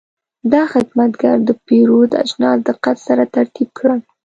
دا خدمتګر د پیرود اجناس دقت سره ترتیب کړل.